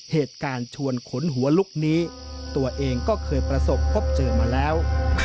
ชวนขนหัวลุกนี้ตัวเองก็เคยประสบพบเจอมาแล้ว